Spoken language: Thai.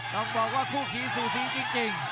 ต้องบอกว่าคู่ขี้สูสีจริง